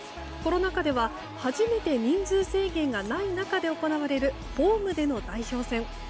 コロナ禍では初めて人数制限がない中で行われるホームでの代表戦。